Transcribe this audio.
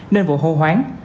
nên vụ hô hoáng